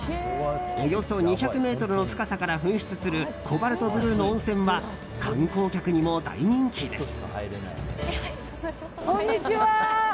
およそ２００ｍの深さから噴出するコバルトブルーの温泉は観光客にも大人気です。